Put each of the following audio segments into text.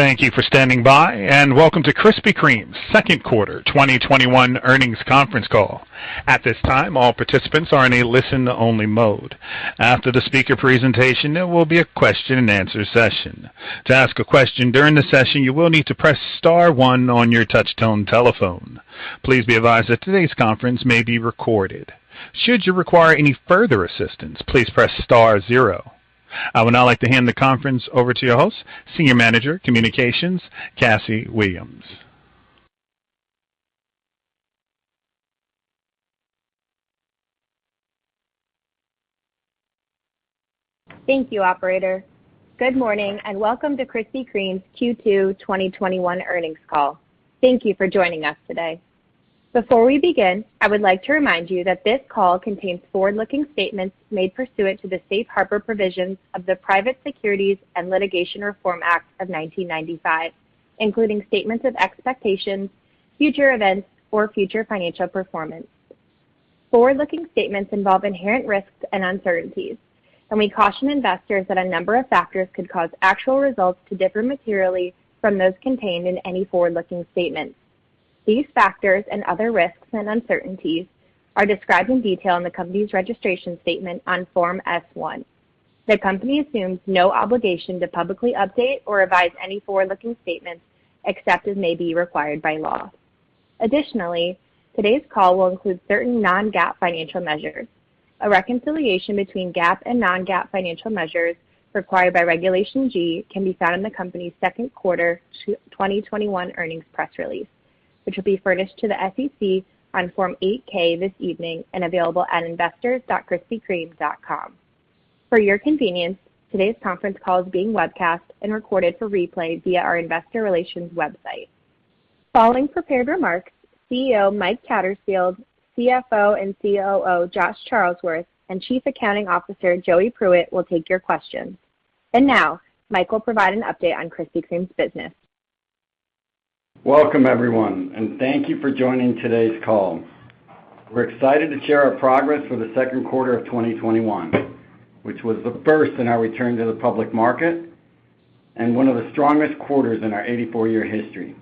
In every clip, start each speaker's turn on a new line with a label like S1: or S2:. S1: Thank you for standing by, and welcome to Krispy Kreme's second quarter 2021 earnings conference call. At this time, all participants are in a listen-only mode. After the speaker's presentation, there will be a question-and-answer session. To ask a question during the session, you will need to press star one on your touchtone telephone. Please be advised that today's conference may be recorded. Should you require any further assistance, please press star zero. I would now like to hand the conference over to your host, Senior Director, Communications, Cassie Williams.
S2: Thank you, operator. Good morning, and welcome to Krispy Kreme's Q2 2021 earnings call. Thank you for joining us today. Before we begin, I would like to remind you that this call contains forward-looking statements made pursuant to the safe harbor provisions of the Private Securities Litigation Reform Act of 1995, including statements of expectations, future events, or future financial performance. Forward-looking statements involve inherent risks and uncertainties. We caution investors that a number of factors could cause actual results to differ materially from those contained in any forward-looking statements. These factors and other risks and uncertainties are described in detail in the company's registration statement on Form S-1. The company assumes no obligation to publicly update or revise any forward-looking statements except as may be required by law. Additionally, today's call will include certain non-GAAP financial measures. A reconciliation between GAAP and non-GAAP financial measures required by Regulation G can be found in the company's second quarter 2021 earnings press release, which will be furnished to the SEC on Form 8-K this evening and available at investors.krispykreme.com. For your convenience, today's conference call is being webcast and recorded for replay via our investor relations website. Following prepared remarks, CEO Mike Tattersfield, CFO and COO Josh Charlesworth, and Chief Accounting Officer Joey Pruitt will take your questions. Now, Mike will provide an update on Krispy Kreme's business.
S3: Welcome, everyone, and thank you for joining today's call. We're excited to share our progress for the second quarter of 2021, which was the first in our return to the public market and one of the strongest quarters in our 84-year history.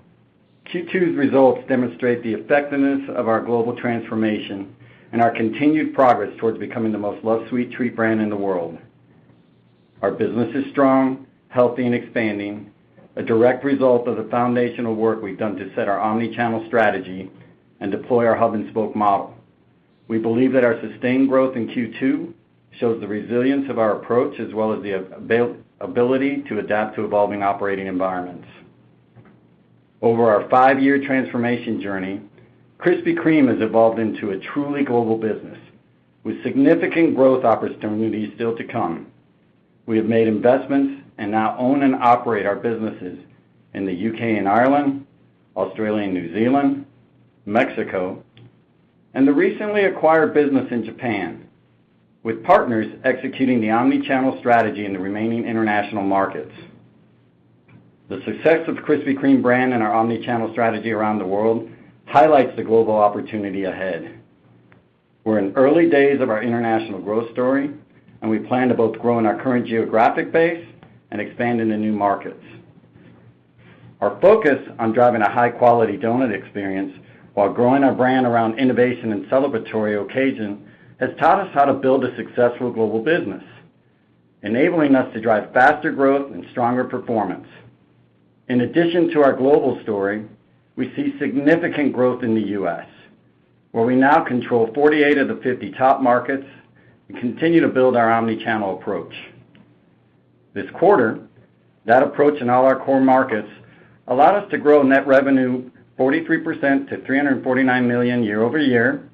S3: Q2's results demonstrate the effectiveness of our global transformation and our continued progress towards becoming the most loved sweet treat brand in the world. Our business is strong, healthy, and expanding, a direct result of the foundational work we've done to set our omni-channel strategy and deploy our hub and spoke model. We believe that our sustained growth in Q2 shows the resilience of our approach, as well as the ability to adapt to evolving operating environments. Over our five-year transformation journey, Krispy Kreme has evolved into a truly global business with significant growth opportunities still to come. We have made investments and now own and operate our businesses in the U.K. and Ireland, Australia and New Zealand, Mexico, and the recently acquired business in Japan, with partners executing the omni-channel strategy in the remaining international markets. The success of the Krispy Kreme brand and our omni-channel strategy around the world highlights the global opportunity ahead. We're in early days of our international growth story, and we plan to both grow in our current geographic base and expand into new markets. Our focus on driving a high-quality doughnut experience while growing our brand around innovation and celebratory occasions has taught us how to build a successful global business, enabling us to drive faster growth and stronger performance. In addition to our global story, we see significant growth in the U.S., where we now control 48 of the 50 top markets and continue to build our omni-channel approach. This quarter, that approach in all our core markets allowed us to grow net revenue 43% to $349 million year-over-year.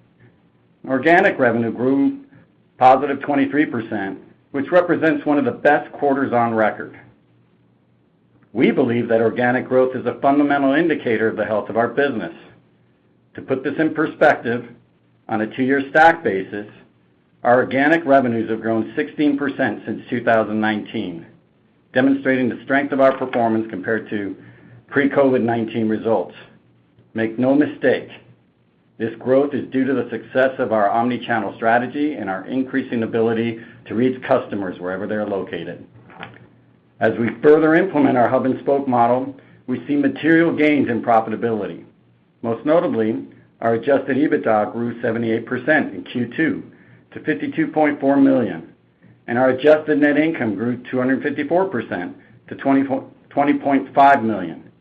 S3: Organic revenue grew positive 23%, which represents one of the best quarters on record. We believe that organic growth is a fundamental indicator of the health of our business. To put this in perspective, on a two-year stack basis, our organic revenues have grown 16% since 2019, demonstrating the strength of our performance compared to pre-COVID-19 results. Make no mistake, this growth is due to the success of our omni-channel strategy and our increasing ability to reach customers wherever they're located. As we further implement our hub and spoke model, we see material gains in profitability. Most notably, our adjusted EBITDA grew 78% in Q2 to $52.4 million, and our adjusted net income grew 254% to $20.5 million.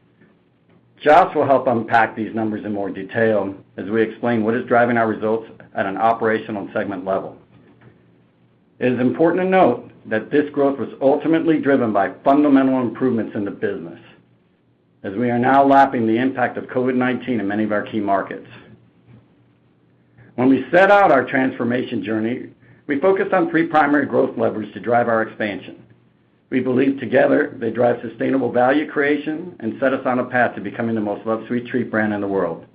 S3: Josh will help unpack these numbers in more detail as we explain what is driving our results at an operational segment level. It is important to note that this growth was ultimately driven by fundamental improvements in the business, as we are now lapping the impact of COVID-19 in many of our key markets. When we set out our transformation journey, we focused on three primary growth levers to drive our expansion. We believe together they drive sustainable value creation and set us on a path to becoming the most loved sweet treat brand in the world.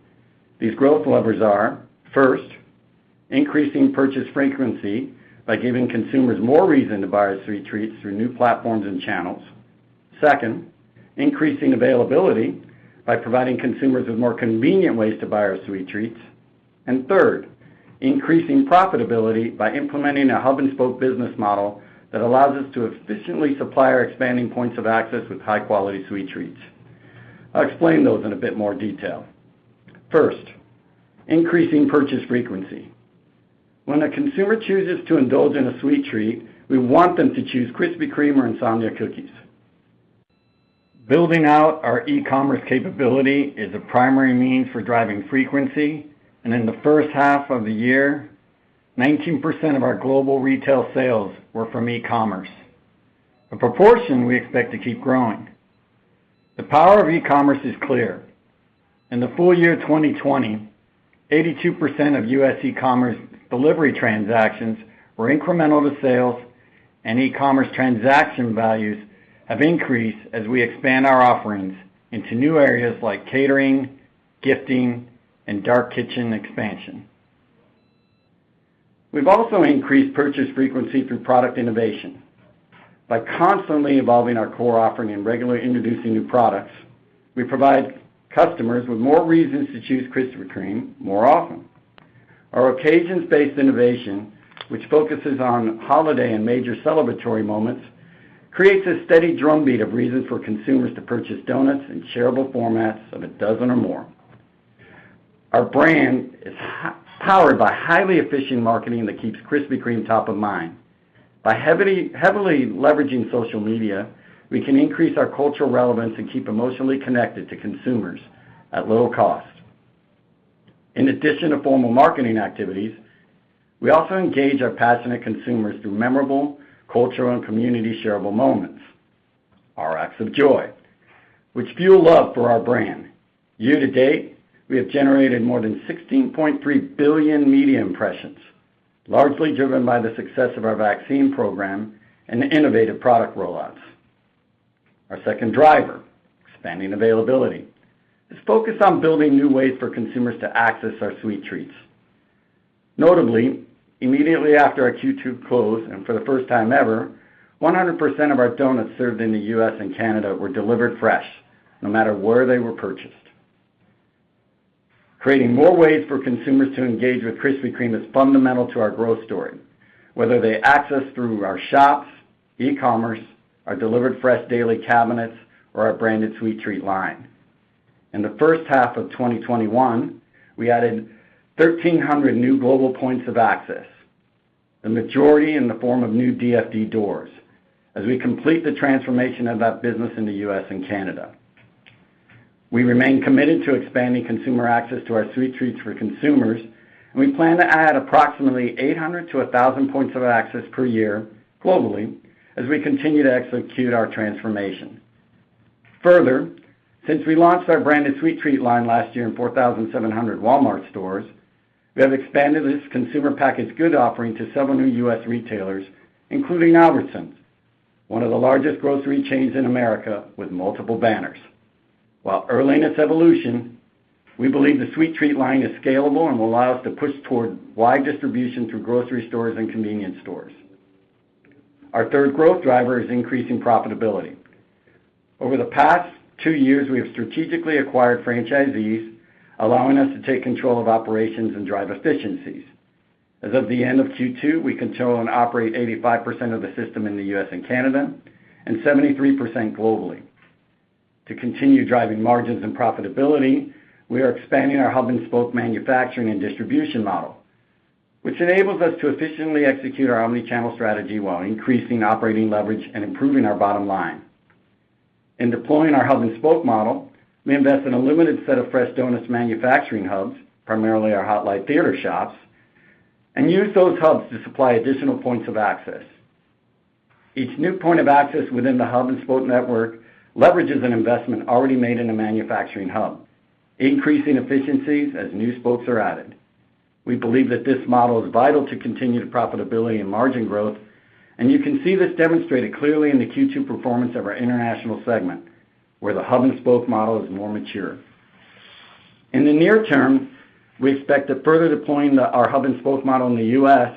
S3: These growth levers are, first, increasing purchase frequency by giving consumers more reasons to buy our sweet treats through new platforms and channels. Second, increasing availability by providing consumers with more convenient ways to buy our sweet treats. Third, increasing profitability by implementing a hub-and-spoke business model that allows us to efficiently supply our expanding points of access with high-quality sweet treats. I'll explain those in a bit more detail. First, increasing purchase frequency. When a consumer chooses to indulge in a sweet treat, we want them to choose Krispy Kreme or Insomnia Cookies. Building out our e-commerce capability is a primary means for driving frequency. In the first half of the year, 19% of our global retail sales were from e-commerce, a proportion we expect to keep growing. The power of e-commerce is clear. In the full year 2020, 82% of U.S. e-commerce delivery transactions were incremental to sales. E-commerce transaction values have increased as we expand our offerings into new areas like catering, gifting, and dark kitchen expansion. We've also increased purchase frequency through product innovation. By constantly evolving our core offering and regularly introducing new products, we provide customers with more reasons to choose Krispy Kreme more often. Our occasion-based innovation, which focuses on holiday and major celebratory moments, creates a steady drumbeat of reasons for consumers to purchase donuts in shareable formats of a dozen or more. Our brand is powered by highly efficient marketing that keeps Krispy Kreme top of mind. By heavily leveraging social media, we can increase our cultural relevance and keep emotionally connected to consumers at low cost. In addition to formal marketing activities, we also engage our passionate consumers through memorable cultural and community shareable moments, our acts of joy, which fuel love for our brand. Year to date, we have generated more than 16.3 billion media impressions, largely driven by the success of our vaccine program and innovative product rollouts. Our second driver, expanding availability, is focused on building new ways for consumers to access our sweet treats. Notably, immediately after our Q2 close and for the first time ever, 100% of our donuts served in the U.S. and Canada were delivered fresh, no matter where they were purchased. Creating more ways for consumers to engage with Krispy Kreme is fundamental to our growth story, whether they access through our shops, e-commerce, our delivered fresh daily cabinets, or our Branded Sweet Treats line. In the first half of 2021, we added 1,300 new global points of access, the majority in the form of new DFD doors, as we completed the transformation of that business in the U.S. and Canada. We remain committed to expanding consumer access to our sweet treats for consumers, and we plan to add approximately 800-1,000 points of access per year globally as we continue to execute our transformation. Further, since we launched our Branded Sweet Treats line last year in 4,700 Walmart stores, we have expanded this consumer packaged good offering to several new U.S. retailers, including Albertsons, one of the largest grocery chains in America, with multiple banners. While early in its evolution, we believe the sweet treat line is scalable and will allow us to push toward wide distribution through grocery stores and convenience stores. Our third growth driver is increasing profitability. Over the past two years, we have strategically acquired franchisees, allowing us to take control of operations and drive efficiencies. As of the end of Q2, we control and operate 85% of the system in the U.S. and Canada and 73% globally. To continue driving margins and profitability, we are expanding our hub-and-spoke manufacturing and distribution model, which enables us to efficiently execute our omni-channel strategy while increasing operating leverage and improving our bottom line. In deploying our hub-and-spoke model, we invest in a limited set of fresh doughnut manufacturing hubs, primarily, and use those hubs to supply additional points of access. Each new point of access within the hub-and-spoke network leverages an investment already made in a manufacturing hub, increasing efficiencies as new spokes are added. You can see this demonstrated clearly in the Q2 performance of our international segment, where the hub-and-spoke model is more mature. In the near term, we expect that further deploying our hub-and-spoke model in the U.S.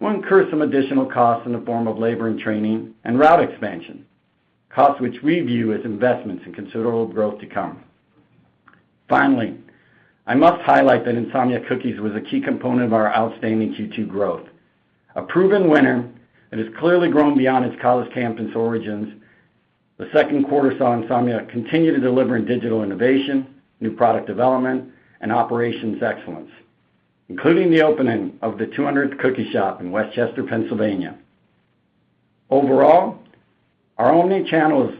S3: will incur some additional costs in the form of labor and training and route expansion, costs which we view as investments in considerable growth to come. Finally, I must highlight that Insomnia Cookies was a key component of our outstanding Q2 growth. A proven winner, it has clearly grown beyond its college campus origins. The second quarter saw Insomnia continue to deliver in digital innovation, new product development, and operations excellence, including the opening of the 200 cookie shop in West Chester, Pennsylvania. Overall, our omni-channel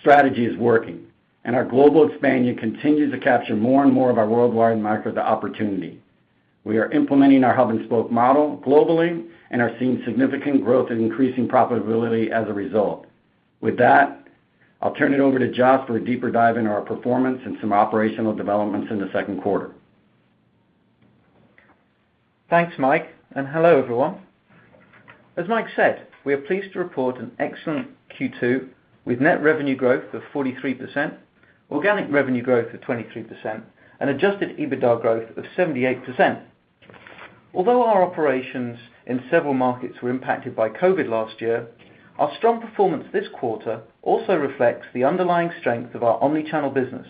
S3: strategy is working, and our global expansion continues to capture more and more of our worldwide micro opportunity. We are implementing our hub-and-spoke model globally and are seeing significant growth and increasing profitability as a result. With that, I'll turn it over to Josh for a deeper dive into our performance and some operational developments in the second quarter.
S4: Thanks, Mike, hello, everyone. As Mike said, we are pleased to report an excellent Q2 with net revenue growth of 43%, organic revenue growth of 23%, and adjusted EBITDA growth of 78%. Although our operations in several markets were impacted by COVID last year, our strong performance this quarter also reflects the underlying strength of our omni-channel business,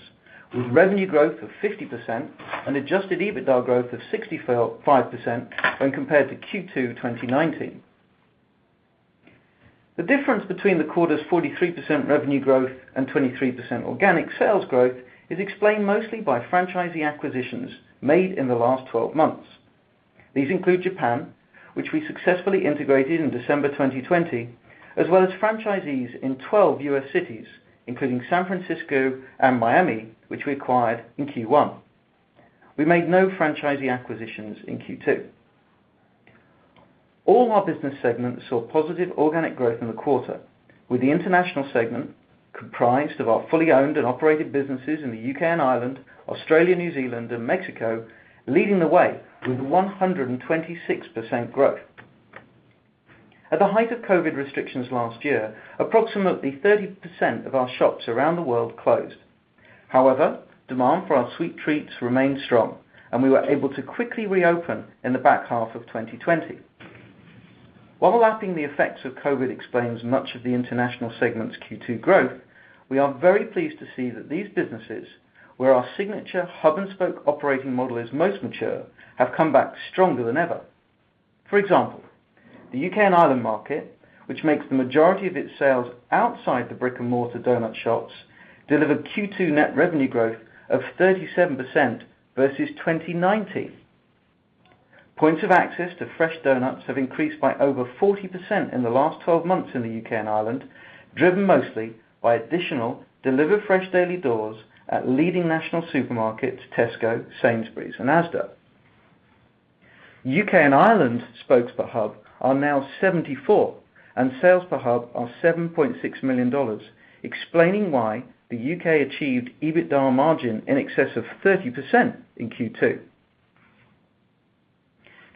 S4: with revenue growth of 50% and adjusted EBITDA growth of 65% when compared to Q2 2019. The difference between the quarter's 43% revenue growth and 23% organic sales growth is explained mostly by franchisee acquisitions made in the last 12 months. These include Japan, which we successfully integrated in December 2020, as well as franchisees in 12 U.S. cities, including San Francisco and Miami, which we acquired in Q1. We made no franchisee acquisitions in Q2. All our business segments saw positive organic growth in the quarter, with the international segment comprised of our fully owned and operated businesses in the U.K. and Ireland, Australia, New Zealand, and Mexico, leading the way with 126% growth. At the height of COVID restrictions last year, approximately 30% of our shops around the world closed. Demand for our sweet treats remained strong, and we were able to quickly reopen in the back half of 2020. Lapping the effects of COVID explains much of the international segment's Q2 growth. We are very pleased to see that these businesses, where our signature hub and spoke operating model is most mature, have come back stronger than ever. The U.K. and Ireland market, which makes the majority of its sales outside the brick-and-mortar doughnut shops, delivered Q2 net revenue growth of 37% versus 2019. Points of access to fresh doughnuts have increased by over 40% in the last 12 months in the U.K. and Ireland, driven mostly by additional delivered fresh daily doors at leading national supermarkets Tesco, Sainsbury's, and Asda. U.K. and Ireland spokes per hub are now 74, and sales per hub are $7.6 million, explaining why the U.K. achieved EBITDA margin in excess of 30% in Q2.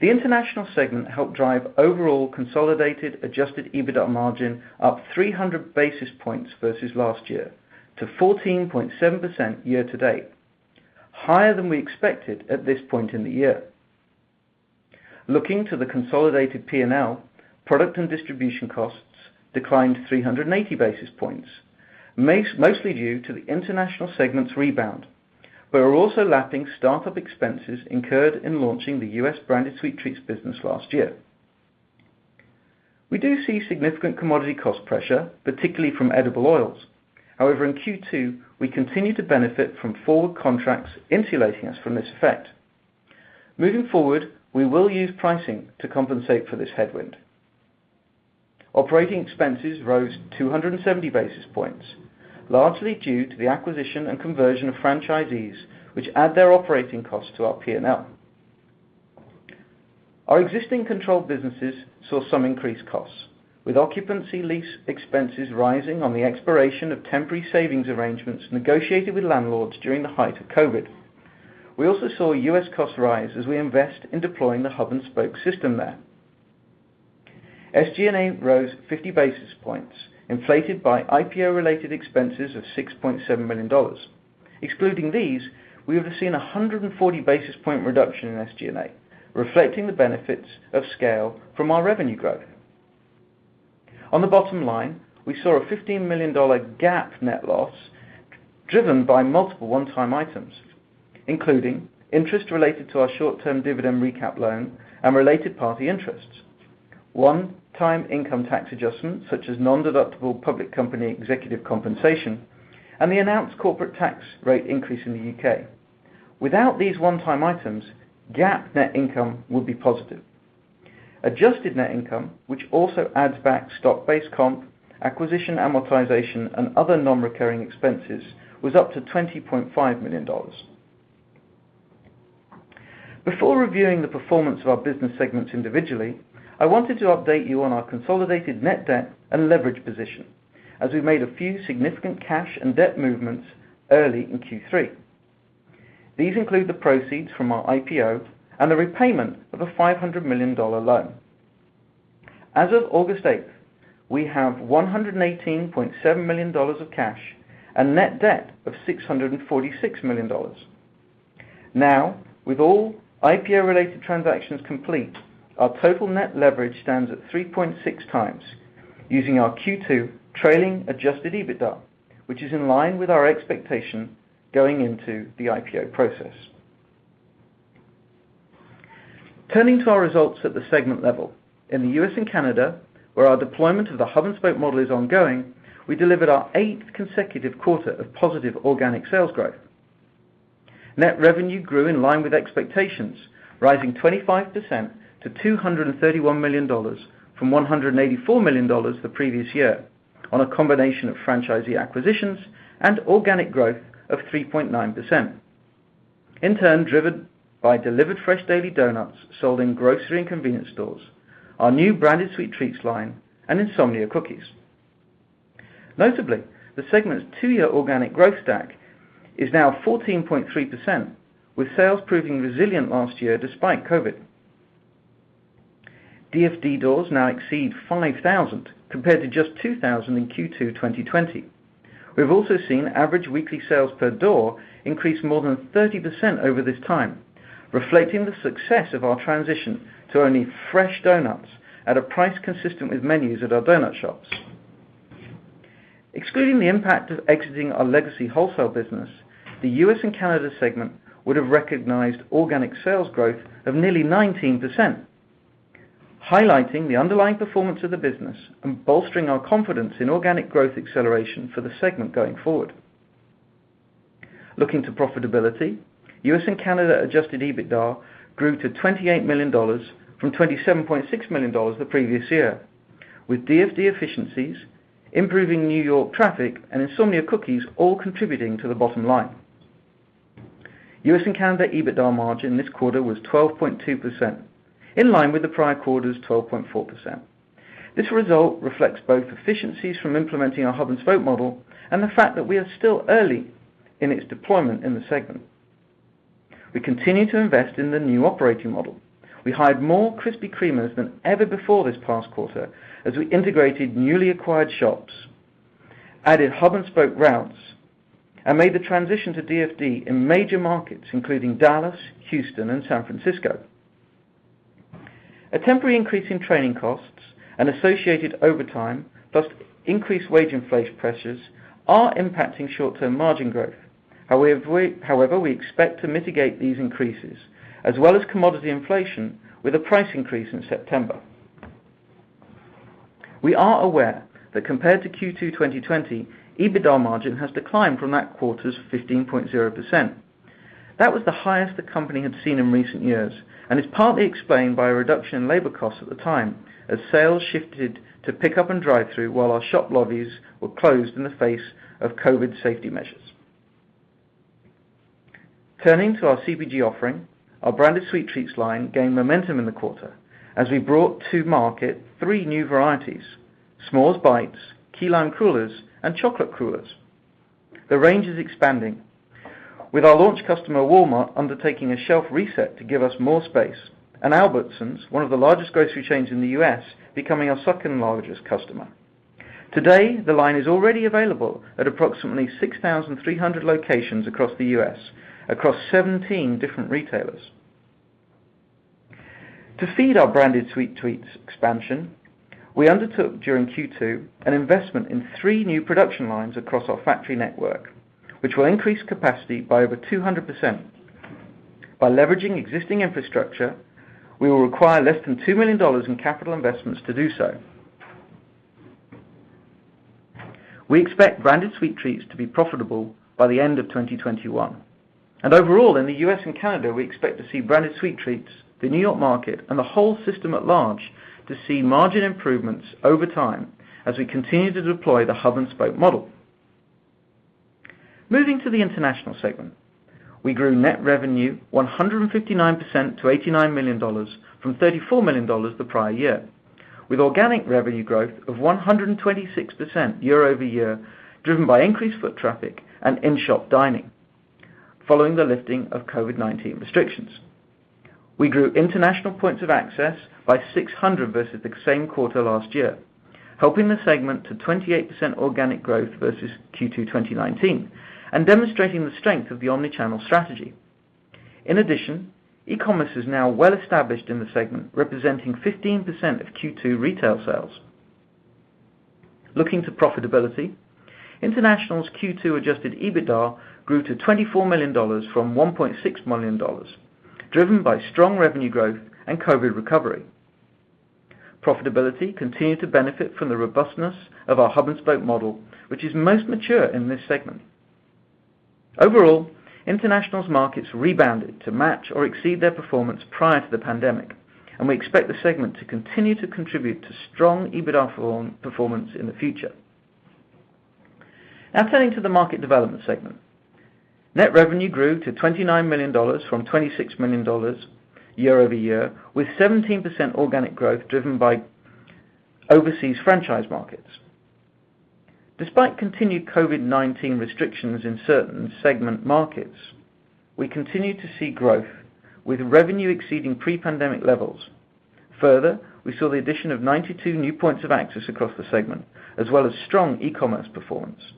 S4: The international segment helped drive overall consolidated adjusted EBITDA margin up 300 basis points versus last year to 14.7% year to date, higher than we expected at this point in the year. Looking to the consolidated P&L, product and distribution costs declined 380 basis points, mostly due to the international segment's rebound. We are also lapping startup expenses incurred in launching the U.S. Branded Sweet Treats business last year. We do see significant commodity cost pressure, particularly from edible oils. However, in Q2, we continued to benefit from forward contracts, insulating us from this effect. Moving forward, we will use pricing to compensate for this headwind. Operating expenses rose 270 basis points, largely due to the acquisition and conversion of franchisees, which add their operating costs to our P&L. Our existing controlled businesses saw some increased costs, with occupancy lease expenses rising on the expiration of temporary savings arrangements negotiated with landlords during the height of COVID. We also saw U.S. costs rise as we invest in deploying the hub and spoke system there. SG&A rose 50 basis points, inflated by IPO-related expenses of $6.7 million. Excluding these, we would have seen a 140 basis point reduction in SG&A, reflecting the benefits of scale from our revenue growth. On the bottom line, we saw a $15 million GAAP net loss driven by multiple one-time items, including interest related to our short-term dividend recap loan and related party interests, one-time income tax adjustments such as non-deductible public company executive compensation, and the announced corporate tax rate increase in the U.K. Without these one-time items, GAAP net income would be positive. Adjusted net income, which also adds back stock-based comp, acquisition amortization, and other non-recurring expenses, was up to $20.5 million. Before reviewing the performance of our business segments individually, I wanted to update you on our consolidated net debt and leverage position as we made a few significant cash and debt movements early in Q3. These include the proceeds from our IPO and the repayment of a $500 million loan. As of August 8, we have $118.7 million of cash and a net debt of $646 million. With all IPO-related transactions complete, our total net leverage stands at 3.6 times using our Q2 trailing adjusted EBITDA, which is in line with our expectations going into the IPO process. Turning to our results at the segment level, in the U.S. and Canada, where our deployment of the hub and spoke model is ongoing, we delivered our eighth consecutive quarter of positive organic sales growth. Net revenue grew in line with expectations, rising 25% to $231 million from $184 million the previous year on a combination of franchisee acquisitions and organic growth of 3.9%, in turn driven by delivered fresh daily doughnuts sold in grocery and convenience stores, our new Branded Sweet Treats line, and Insomnia Cookies. Notably, the segment's two-year organic growth stack is now 14.3%, with sales proving resilient last year despite COVID. DFD doors now exceed 5,000 compared to just 2,000 in Q2 2020. We've also seen average weekly sales per door increase more than 30% over this time, reflecting the success of our transition to only fresh doughnuts at a price consistent with menus at our doughnut shops. Excluding the impact of exiting our legacy wholesale business, the U.S. and Canada segment would have recognized organic sales growth of nearly 19%, highlighting the underlying performance of the business and bolstering our confidence in organic growth acceleration for the segment going forward. Looking to profitability, U.S. and Canada adjusted EBITDA grew to $28 million from $27.6 million the previous year, with DFD efficiencies, improving New York traffic, and Insomnia Cookies all contributing to the bottom line. U.S. and Canada EBITDA margin this quarter was 12.2%, in line with the prior quarter's 12.4%. This result reflects both efficiencies from implementing our hub and spoke model and the fact that we are still early in its deployment in the segment. We continue to invest in the new operating model. We hired more Krispy Kremers than ever before this past quarter as we integrated newly acquired shops, added hub and spoke routes, and made the transition to DFD in major markets including Dallas, Houston, and San Francisco. A temporary increase in training costs and associated overtime, plus increased wage inflation pressures, are impacting short-term margin growth. However, we expect to mitigate these increases as well as commodity inflation with a price increase in September. We are aware that compared to Q2 2020, EBITDA margin has declined from that quarter's 15.0%. That was the highest the company had seen in recent years, and is partly explained by a reduction in labor costs at the time as sales shifted to pickup and drive-thru while our shop lobbies were closed in the face of COVID safety measures. Turning to our CPG offering, our Branded Sweet Treats line gained momentum in the quarter as we brought to market three new varieties, S'mores Bites, Key Lime Crullers, and Chocolate Crullers. The range is expanding with our launch customer, Walmart, undertaking a shelf reset to give us more space, and Albertsons, one of the largest grocery chains in the U.S., becoming our second-largest customer. Today, the line is already available at approximately 6,300 locations across the U.S., across 17 different retailers. To feed our Branded Sweet Treats expansion, we undertook during Q2 an investment in three new production lines across our factory network, which will increase capacity by over 200%. By leveraging existing infrastructure, we will require less than $2 million in capital investments to do so. We expect Branded Sweet Treats to be profitable by the end of 2021. Overall, in the U.S. and Canada, we expect to see Branded Sweet Treats, the New York market, and the whole system at large to see margin improvements over time as we continue to deploy the hub and spoke model. Moving to the international segment. We grew net revenue 159% to $89 million from $34 million the prior year, with organic revenue growth of 126% year-over-year, driven by increased foot traffic and in-shop dining following the lifting of COVID-19 restrictions. We grew international points of access by 600 versus the same quarter last year, helping the segment to 28% organic growth versus Q2 2019, demonstrating the strength of the omni-channel strategy. In addition, e-commerce is now well established in the segment, representing 15% of Q2 retail sales. Looking to profitability, international's Q2 adjusted EBITDA grew to $24 million from $1.6 million, driven by strong revenue growth and COVID recovery. Profitability continued to benefit from the robustness of our hub and spoke model, which is most mature in this segment. Overall, international markets rebounded to match or exceed their performance prior to the pandemic. We expect the segment to continue to contribute to strong EBITDA performance in the future. Now turning to the market development segment. Net revenue grew to $29 million from $26 million year over year, with 17% organic growth driven by overseas franchise markets. Despite continued COVID-19 restrictions in certain segment markets, we continued to see growth, with revenue exceeding pre-pandemic levels. Further, we saw the addition of 92 new points of access across the segment, as well as strong e-commerce performance.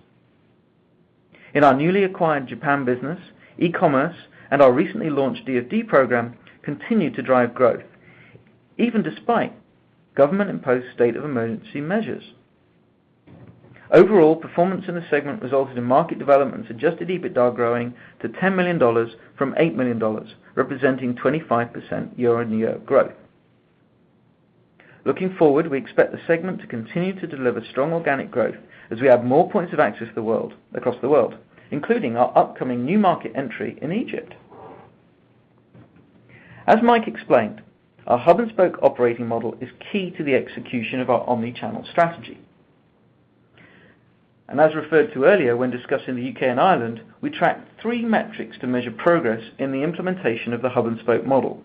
S4: In our newly acquired Japan business, e-commerce and our recently launched DFD program continued to drive growth even despite government-imposed state of emergency measures. Overall, performance in the segment resulted in market development-adjusted EBITDA growing to $10 million from $8 million, representing 25% year-on-year growth. Looking forward, we expect the segment to continue to deliver strong organic growth as we add more points of access across the world, including our upcoming new market entry in Egypt. As Mike explained, our hub and spoke operating model is key to the execution of our omni-channel strategy. As referred to earlier when discussing the U.K. and Ireland, we tracked three metrics to measure progress in the implementation of the hub and spoke model: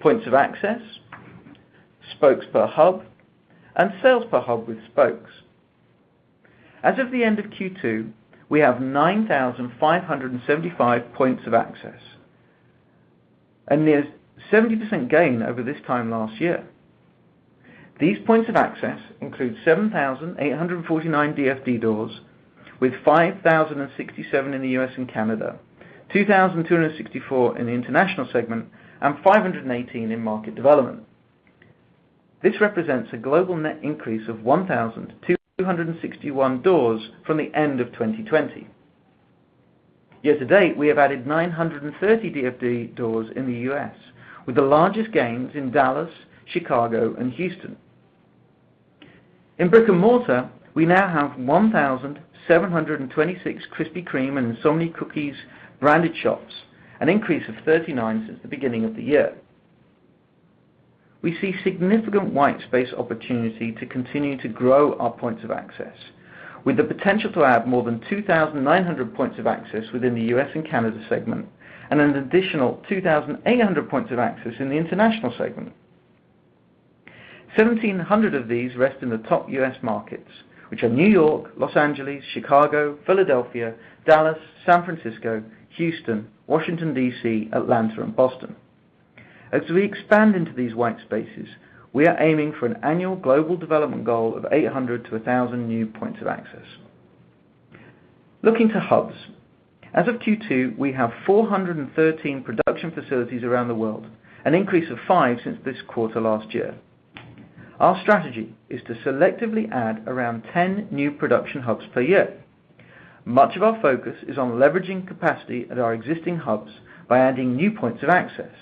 S4: points of access, spokes per hub, and sales per hub with spokes. As of the end of Q2, we have 9,575 points of access, a near 70% gain over this time last year. These points of access include 7,849 DFD doors with 5,067 in the U.S. and Canada, 2,264 in the international segment, and 518 in market development. This represents a global net increase of 1,261 doors from the end of 2020. Year-to-date, we have added 930 DFD doors in the U.S., with the largest gains in Dallas, Chicago, and Houston. In brick-and-mortar, we now have 1,726 Krispy Kreme and Insomnia Cookies branded shops, an increase of 39 since the beginning of the year. We see a significant white space opportunity to continue to grow our points of access, with the potential to add more than 2,900 points of access within the U.S. and Canada segment, and an additional 2,800 points of access in the international segment. 1,700 of these rest in the top U.S. markets, which are New York, Los Angeles, Chicago, Philadelphia, Dallas, San Francisco, Houston, Washington D.C., Atlanta, and Boston. As we expand into these white spaces, we are aiming for an annual global development goal of 800-1,000 new points of access. Looking to hubs, as of Q2, we have 413 production facilities around the world, an increase of five since this quarter last year. Our strategy is to selectively add around 10 new production hubs per year. Much of our focus is on leveraging capacity at our existing hubs by adding new points of access.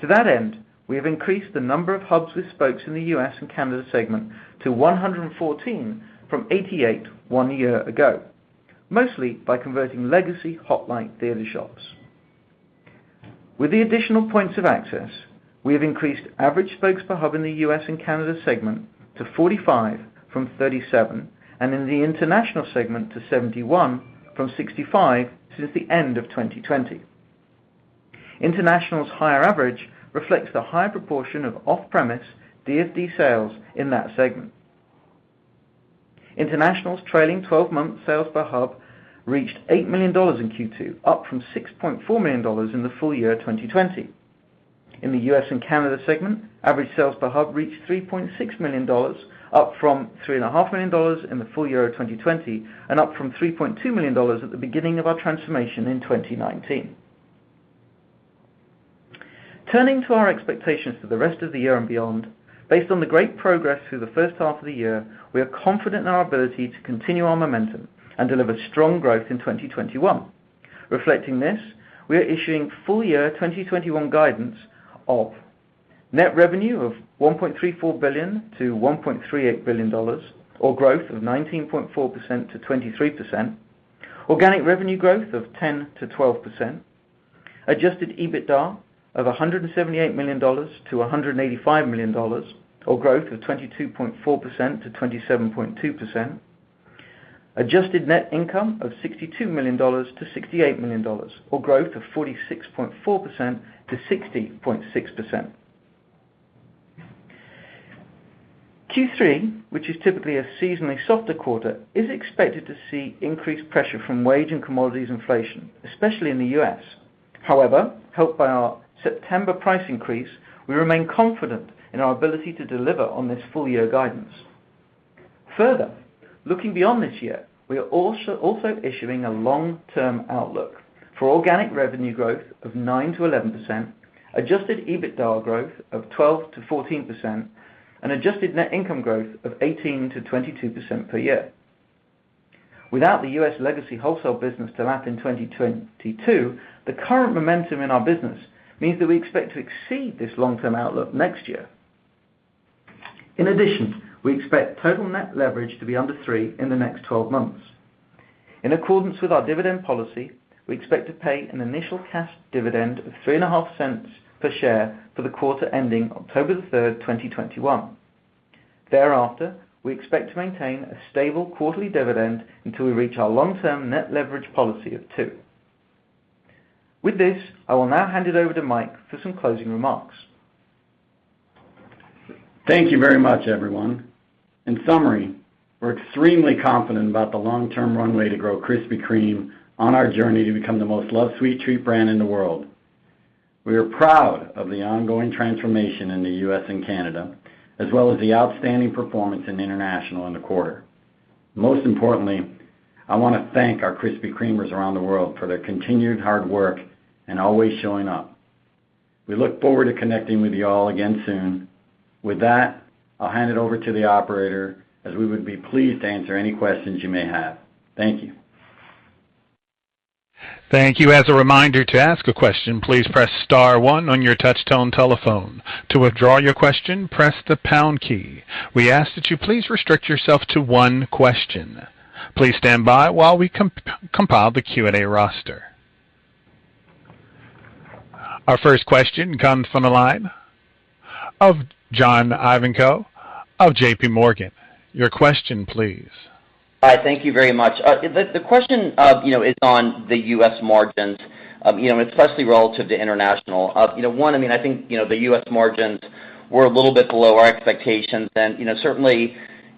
S4: To that end, we have increased the number of hubs with spokes in the U.S. and Canada segment to 114 from 88 one year ago, mostly by converting legacy Hot Light Theater Shops. With the additional points of access, we have increased average spokes per hub in the U.S. and Canada segment to 45 from 37, and in the International segment to 71 from 65, since the end of 2020. International's higher average reflects the high proportion of off-premise DFD sales in that segment. International's trailing 12-month sales per hub reached $8 million in Q2, up from $6.4 million in the full year 2020. In the U.S. and Canada segment, average sales per hub reached $3.6 million, up from $3.5 million in the full year of 2020, and up from $3.2 million at the beginning of our transformation in 2019. Turning to our expectations for the rest of the year and beyond, based on the great progress through the first half of the year, we are confident in our ability to continue our momentum and deliver strong growth in 2021. Reflecting this, we are issuing full-year 2021 guidance of net revenue of $1.34 billion-$1.38 billion, or growth of 19.4%-23%, organic revenue growth of 10%-12%, adjusted EBITDA of $178 million-$185 million, or growth of 22.4%-27.2%, adjusted net income of $62 million-$68 million, or growth of 46.4%-60.6%. Q3, which is typically a seasonally softer quarter, is expected to see increased pressure from wage and commodities inflation, especially in the U.S. However, helped by our September price increase, we remain confident in our ability to deliver on this full-year guidance. Further, looking beyond this year, we are also issuing a long-term outlook for organic revenue growth of 9%-11%, adjusted EBITDA growth of 12%-14%, and adjusted net income growth of 18%-22% per year. Without the U.S. legacy wholesale business to lap in 2022, the current momentum in our business means that we expect to exceed this long-term outlook next year. In addition, we expect total net leverage to be under three in the next 12 months. In accordance with our dividend policy, we expect to pay an initial cash dividend of $0.035 per share for the quarter ending October 3, 2021. Thereafter, we expect to maintain a stable quarterly dividend until we reach our long-term net leverage policy of two. With this, I will now hand it over to Mike for some closing remarks.
S3: Thank you very much, everyone. In summary, we're extremely confident about the long-term runway to grow Krispy Kreme on our journey to become the most loved sweet treat brand in the world. We are proud of the ongoing transformation in the U.S. and Canada, as well as the outstanding performance in international in the quarter. Most importantly, I want to thank our Krispy Kremers around the world for their continued hard work and always showing up. We look forward to connecting with you all again soon. With that, I'll hand it over to the operator, as we would be pleased to answer any questions you may have. Thank you.
S1: Thank you. As a reminder, to ask a question, please press star one on your touch-tone telephone. To withdraw your question, press the pound key. We ask that you please restrict yourself to one question. Please stand by while we compile the Q&A roster. Our first question comes from the line of John Ivankoe of JPMorgan. Your question, please.
S5: Hi. Thank you very much. The question is on the U.S. margins, especially relative to international. One, I think, the U.S. margins were a little bit below our expectations. Certainly,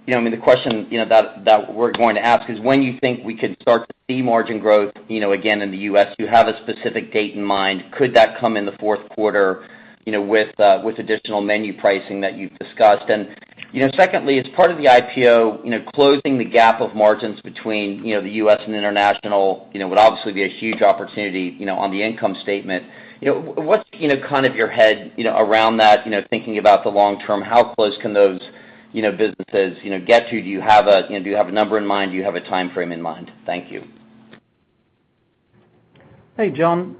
S5: the question that we're going to ask is when you think we could start to see margin growth again in the U.S. Do you have a specific date in mind? Could that come in the fourth quarter, with additional menu pricing that you've discussed? Secondly, as part of the IPO, closing the gap of margins between the U.S. and international, would obviously be a huge opportunity on the income statement. What's your head around that, thinking about the long term? How close can those businesses get to? Do you have a number in mind? Do you have a timeframe in mind? Thank you.
S4: Hey, John.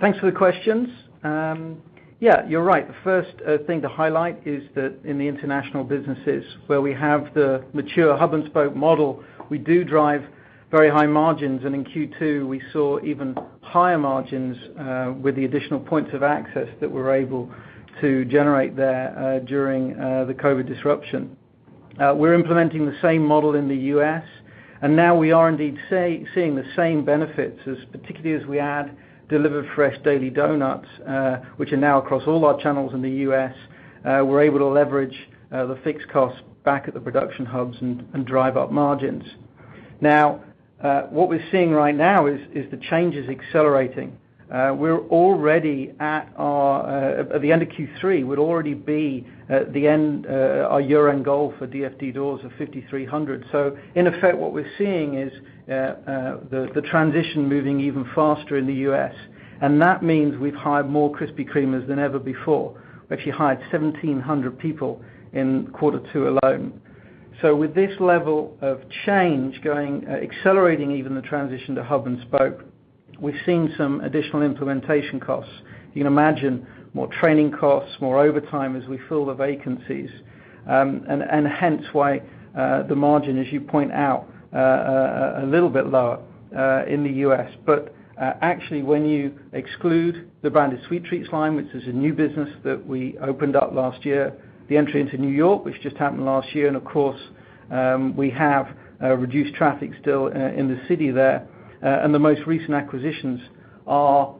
S4: Thanks for the questions. Yeah, you're right. The first thing to highlight is that in the international businesses, where we have the mature hub and spoke model, we do drive very high margins. In Q2, we saw even higher margins with the additional points of access that we're able to generate there during the COVID disruption. We're implementing the same model in the U.S., now we are indeed seeing the same benefits, particularly as we add delivered fresh daily doughnuts, which are now across all our channels in the U.S. We're able to leverage the fixed costs back at the production hubs and drive up margins. Now, what we're seeing right now is that the change is accelerating. At the end of Q3, we'd already be at our year-end goal for DFD doors of 5,300. In effect, what we're seeing is the transition moving even faster in the U.S., and that means we've hired more Krispy Kremers than ever before. We actually hired 1,700 people in quarter two alone. With this level of change accelerating even the transition to hub and spoke, we've seen some additional implementation costs. You can imagine more training costs, more overtime as we fill the vacancies, and hence why the margin, as you point out, a little bit lower in the U.S. Actually, when you exclude the Branded Sweet Treats line, which is a new business that we opened up last year, the entry into New York, which just happened last year, and of course, we have reduced traffic still in the city there. The most recent acquisitions, our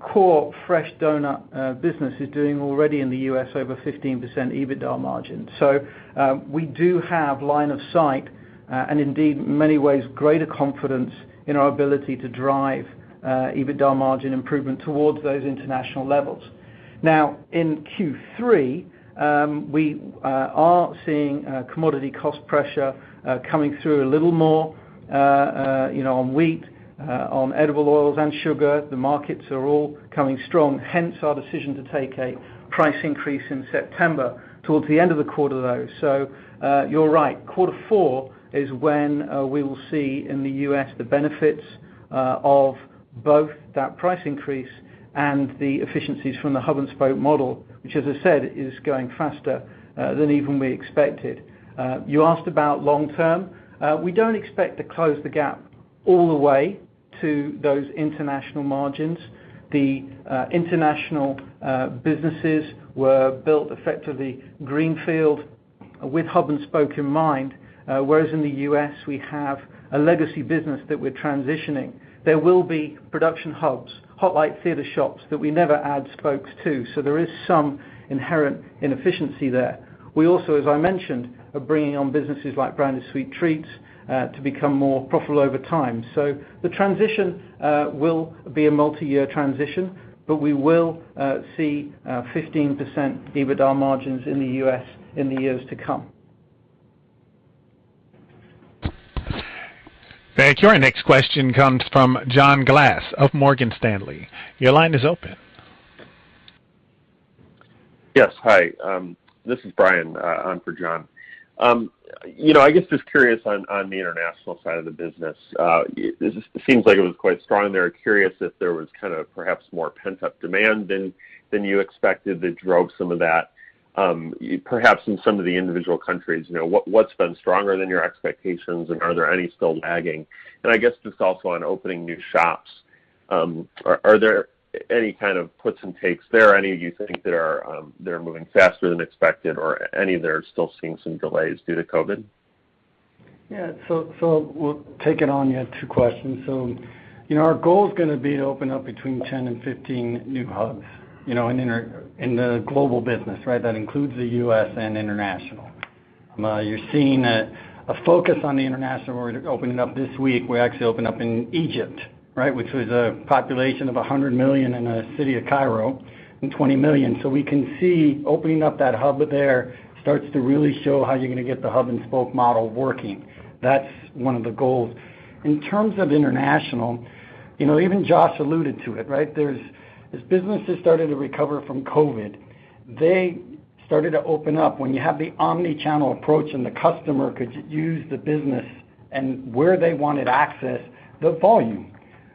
S4: core fresh doughnut business is doing already in the U.S. over 15% EBITDA margin. We do have line of sight, and indeed, in many ways, greater confidence in our ability to drive EBITDA margin improvement towards those international levels. In Q3, we are seeing commodity cost pressure coming through a little more on wheat, on edible oils, and sugar. The markets are all coming strong, hence our decision to take a price increase in September towards the end of the quarter, though. You're right. Quarter four is when we will see in the U.S. the benefits of both that price increase and the efficiencies from the hub and spoke model, which as I said, is going faster than even we expected. You asked about long term. We don't expect to close the gap all the way to those international margins. The international businesses were built effectively greenfield with hub and spoke in mind. Whereas in the U.S., we have a legacy business that we're transitioning. There will be production hubs, Hot Light Theater Shops that we never add spokes to. There is some inherent inefficiency there. We also, as I mentioned, are bringing on businesses like Branded Sweet Treats to become more profitable over time. The transition will be a multi-year transition, but we will see 15% EBITDA margins in the U.S. in the years to come.
S1: Thank you. Our next question comes from John Glass of Morgan Stanley. Your line is open.
S6: Yes, hi. This is Brian on for John. I guess just curious on the international side of the business. It seems like it was quite strong there. Curious if there was perhaps more pent-up demand than you expected that drove some of that. Perhaps in some of the individual countries, what's been stronger than your expectations, and are there any still lagging? I guess just also on opening new shops, are there any kind of puts and takes there? Any you think that are moving faster than expected, or any that are still seeing some delays due to COVID?
S4: Yeah. We'll take it on. You had two questions. Our goal is going to be to open up between 10 and 15 new hubs in the global business. That includes the U.S. and international. You're seeing a focus on the international. We're opening up this week. We actually open up in Egypt, which was a population of 100 million in a city of Cairo, and 20 million. We can see opening up that hub there starts to really show how you're going to get the hub and spoke model working. That's one of the goals. In terms of international, even Josh alluded to it. As businesses started to recover from COVID, they started to open up. When you have the omni-channel approach and the customer could use the business and where they wanted access, the volume,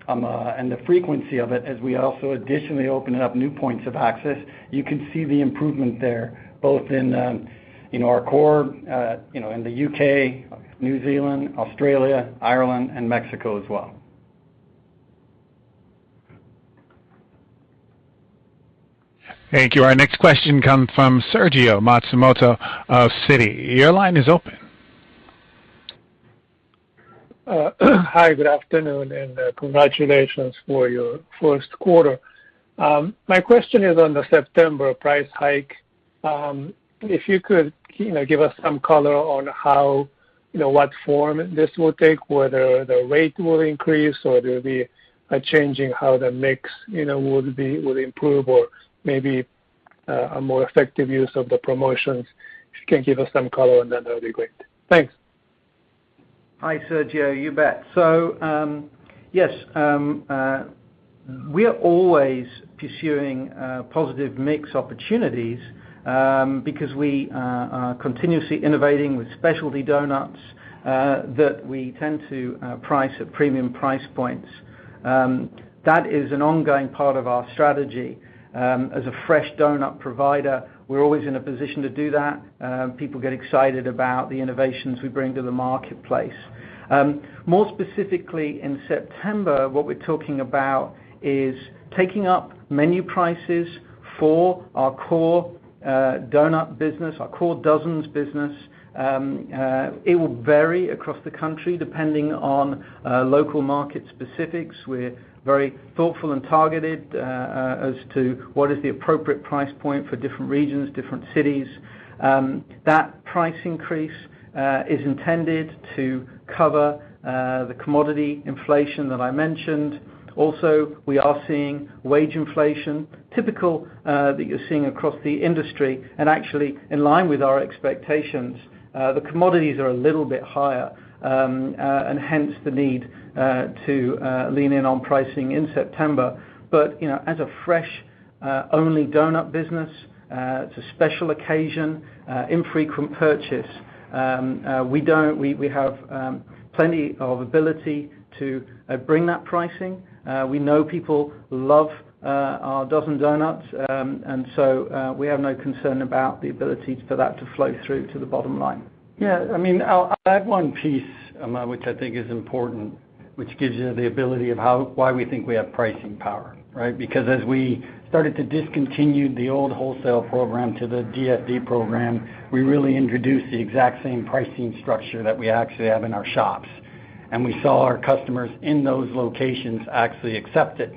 S4: and the frequency of it, as we also additionally open up new points of access, you can see the improvement there, both in our core, in the U.K., New Zealand, Australia, Ireland, and Mexico as well.
S1: Thank you. Our next question comes from Sergio Matsumoto of Citi. Your line is open.
S7: Hi, good afternoon, and congratulations for your first quarter. My question is on the September price hike. If you could give us some color on what form this will take, whether the rate will increase, or there'll be a change in how the mix will improve, or maybe a more effective use of the promotions. If you can give us some color on that'd be great. Thanks.
S4: Hi, Sergio. You bet. Yes, we are always pursuing positive mix opportunities, because we are continuously innovating with specialty doughnuts, that we tend to price at premium price points. That is an ongoing part of our strategy. As a fresh doughnut provider, we're always in a position to do that. People get excited about the innovations we bring to the marketplace. More specifically, in September, what we're talking about is taking up menu prices for our core doughnut business, our core dozens business. It will vary across the country, depending on local market specifics. We're very thoughtful and targeted as to what is the appropriate price point for different regions, different cities. That price increase is intended to cover the commodity inflation that I mentioned. We are seeing wage inflation, typical that you're seeing across the industry, and actually in line with our expectations. The commodities are a little bit higher, hence the need to lean in on pricing in September. As a fresh-only doughnut business, it's a special occasion, infrequent purchase. We have plenty of ability to bring that pricing. We know people love our dozen doughnuts, we have no concern about the ability for that to flow through to the bottom line.
S3: Yeah, I'll add one piece, which I think is important, which gives you the ability of why we think we have pricing power. Right? Because as we started to discontinue the old wholesale program to the DFD program, we really introduced the exact same pricing structure that we actually have in our shops. We saw our customers in those locations actually accept it,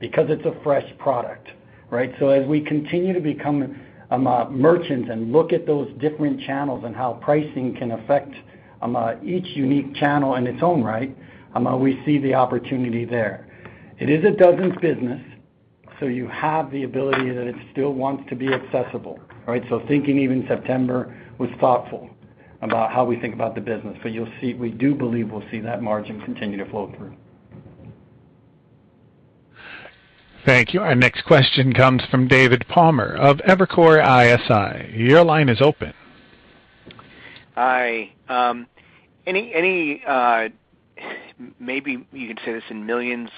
S3: because it's a fresh product. Right? As we continue to become a merchant and look at those different channels and how pricing can affect each unique channel in its own right, we see the opportunity there. It is a dozens business, so you have the ability that it still wants to be accessible. Right? Thinking, even September was thoughtful about how we think about the business. We do believe we'll see that margin continue to flow through.
S1: Thank you. Our next question comes from David Palmer of Evercore ISI. Your line is open.
S8: Hi. Maybe you can say this in millions,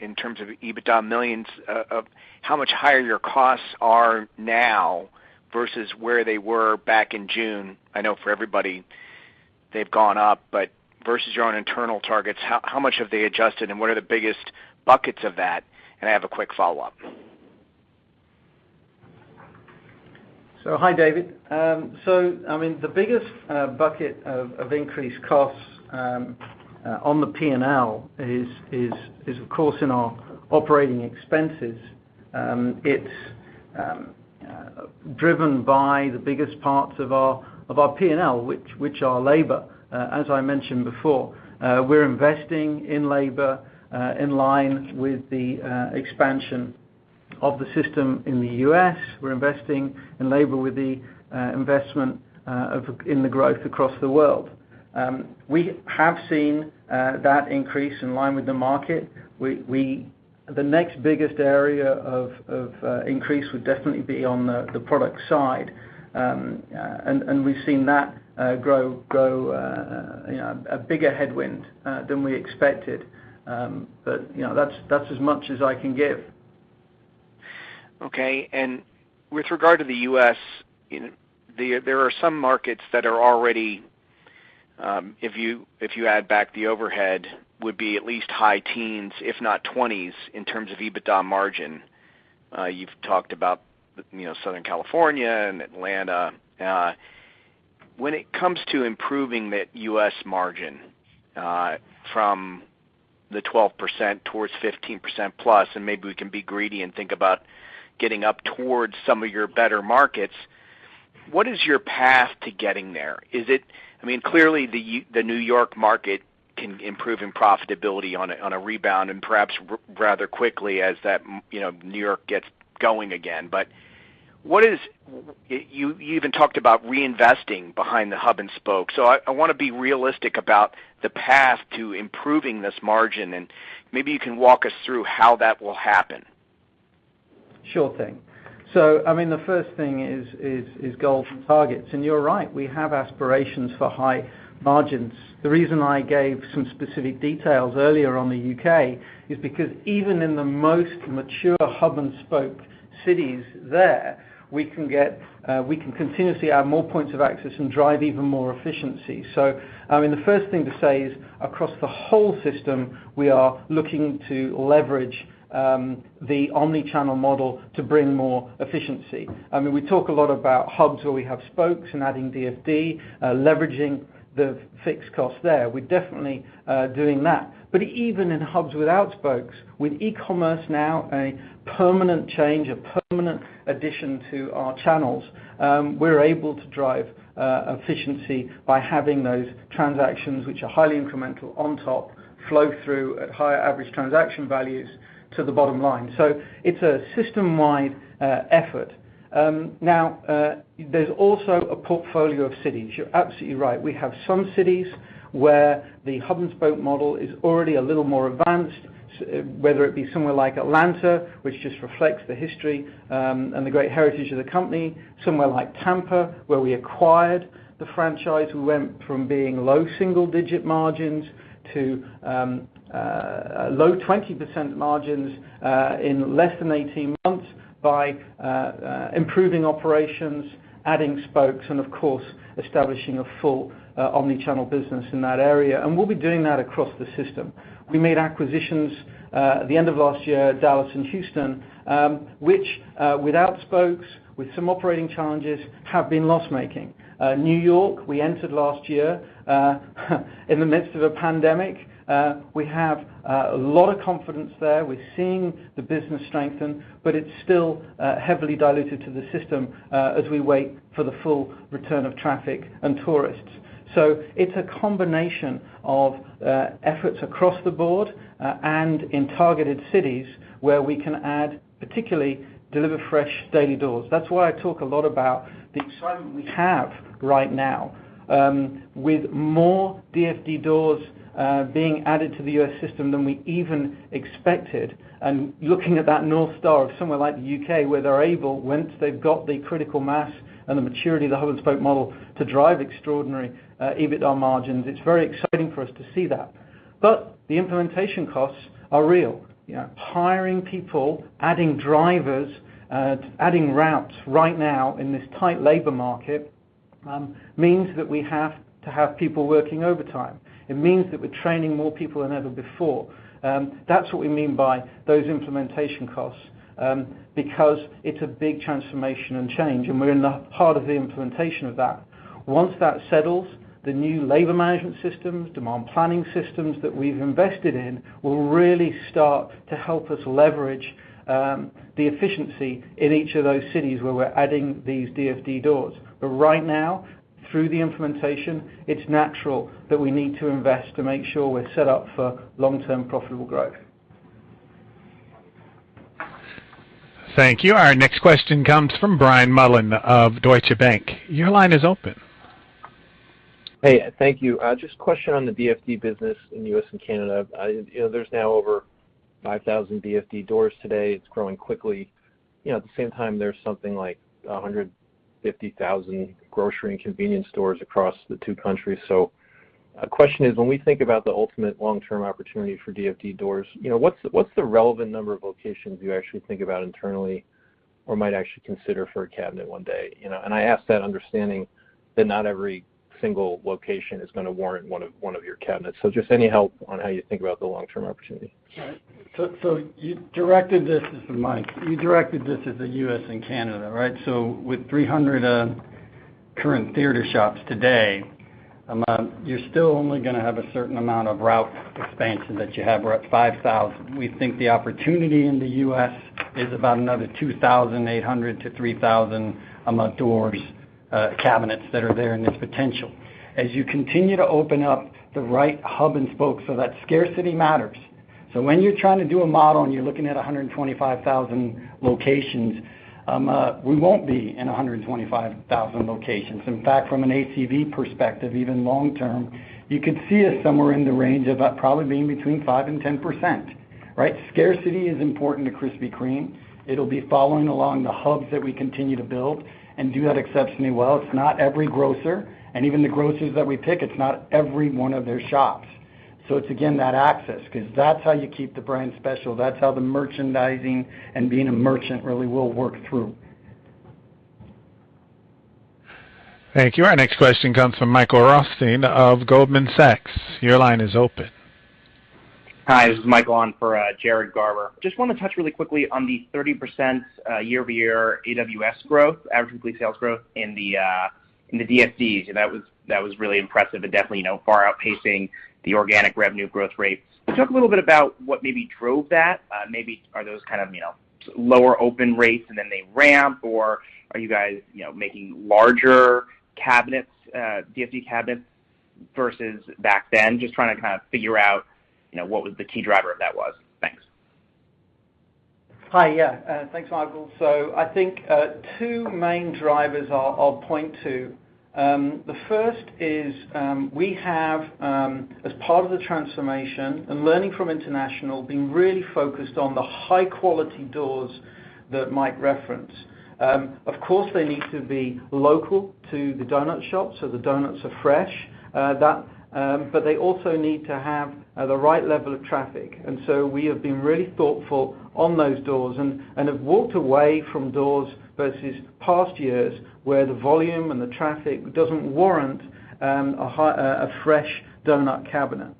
S8: in terms of EBITDA millions, of how much higher your costs are now versus where they were back in June? I know for everybody they've gone up, but versus your own internal targets, how much have they adjusted, and what are the biggest buckets of that? I have a quick follow-up.
S4: Hi, David. The biggest bucket of increased costs on the P&L is, of course, in our operating expenses. It's driven by the biggest parts of our P&L, which are labor, as I mentioned before. We're investing in labor in line with the expansion of the system in the U.S. We're investing in labor with the investment in the growth across the world. We have seen that increase in line with the market. The next biggest area of increase would definitely be on the product side, and we've seen that grow a bigger headwind than we expected. That's as much as I can give.
S8: Okay. With regard to the U.S., there are some markets that are already, if you add back the overhead, would be at least high teens, if not 20s, in terms of EBITDA margin. You've talked about Southern California and Atlanta. When it comes to improving that U.S. margin from the 12% towards 15%+, maybe we can be greedy and think about getting up towards some of your better markets. What is your path to getting there? Clearly, the New York market can improve in profitability on a rebound, perhaps rather quickly, as New York gets going again. You even talked about reinvesting behind the hub and spoke. I want to be realistic about the path to improving this margin. Maybe you can walk us through how that will happen.
S4: Sure thing. The first thing is goal from targets. You're right, we have aspirations for high margins. The reason I gave some specific details earlier on the U.K. is because even in the most mature hub and spoked cities there, we can continuously add more points of access and drive even more efficiency. The first thing to say is across the whole system, we are looking to leverage the omni-channel model to bring more efficiency. We talk a lot about hubs where we have spokes, and adding DFD, leveraging the fixed cost there. We're definitely doing that. Even in hubs without spokes, with e-commerce now a permanent change, a permanent addition to our channels, we're able to drive efficiency by having those transactions, which are highly incremental on top, flow through at higher average transaction values to the bottom line. It's a system-wide effort. There's also a portfolio of cities. You're absolutely right. We have some cities where the hub-and-spoke model is already a little more advanced, whether it be somewhere like Atlanta, which just reflects the history and the great heritage of the company. Somewhere like Tampa, where we acquired the franchise, we went from being low single-digit margins to low 20% margins in less than 18 months by improving operations, adding spokes, and of course, establishing a full omni-channel business in that area. We'll be doing that across the system. We made acquisitions at the end of last year, Dallas and Houston, which, without spokes, with some operating challenges, have been loss-making. New York, we entered last year in the midst of a pandemic. We have a lot of confidence there. We're seeing the business strengthen. It's still heavily diluted to the system as we wait for the full return of traffic and tourists. It's a combination of efforts across the board and in targeted cities where we can add particularly deliver fresh daily doors. That's why I talk a lot about the excitement we have right now, with more DFD doors being added to the U.S. system than we even expected. Looking at that north star of somewhere like the U.K., where they're able, once they've got the critical mass and the maturity of the hub-and-spoke model to drive extraordinary EBITDA margins, it's very exciting for us to see that. The implementation costs are real. Hiring people, adding drivers, adding routes right now in this tight labor market, means that we have to have people working overtime. It means that we're training more people than ever before. That's what we mean by those implementation costs, because it's a big transformation and change. We're in the heart of the implementation of that. Once that settles, the new labor management systems, demand planning systems that we've invested in will really start to help us leverage the efficiency in each of those cities where we're adding these DFD doors. Right now, through the implementation, it's natural that we need to invest to make sure we're set up for long-term profitable growth.
S1: Thank you. Our next question comes from Brian Mullan of Deutsche Bank. Your line is open.
S9: Hey, thank you. Just a question on the DFD business in the U.S. and Canada. There's now over 5,000 DFD doors today. It's growing quickly. At the same time, there's something like 150,000 grocery and convenience stores across the two countries. Question is, when we think about the ultimate long-term opportunity for DFD doors, what's the relevant number of locations you actually think about internally or might actually consider for a cabinet one day? I ask that understanding that not every single location is going to warrant one of your cabinets. Just any help on how you think about the long-term opportunity?
S3: Sure. This is Mike. You directed this as the U.S. and Canada, right? With 300 current theater shops today, you're still only going to have a certain amount of route expansion that you have, we're at 5,000. We think the opportunity in the U.S. is about another 2,800-3,000 doors, cabinets that are there in this potential. As you continue to open up the right hub-and-spoke, that scarcity matters. When you're trying to do a model, and you're looking at 125,000 locations, we won't be in 125,000 locations. In fact, from an ACV perspective, even long term, you could see us somewhere in the range of that, probably being between 5% and 10%, right? Scarcity is important to Krispy Kreme. It'll be following along the hubs that we continue to build and do exceptionally well. It's not every grocer, and even the grocers that we pick, it's not every one of their shops. It's, again that access, because that's how you keep the brand special. That's how the merchandising and being a merchant really will work through.
S1: Thank you. Our next question comes from Michael Rothstein of Goldman Sachs. Your line is open.
S10: Hi, this is Michael on for Jared Garber. Just want to touch really quickly on the 30% year-over-year AWS growth, average weekly sales growth in the DFDs. That was really impressive and definitely far outpacing the organic revenue growth rates. Can you talk a little bit about what maybe drove that? Maybe are those lower open rates and then they ramp, or are you guys making larger DFD cabinets versus back then? Just trying to figure out what was the key driver of that. Thanks.
S4: Hi. Yeah. Thanks, Michael. I think two main drivers I'll point to. The first is, we have, as part of the transformation and learning from international, being really focused on the high-quality doors that Mike referenced. Of course, they need to be local to the donut shop, so the donuts are fresh. They also need to have the right level of traffic. We have been really thoughtful on those doors and have walked away from doors versus past years, where the volume and the traffic doesn't warrant a fresh donut cabinet.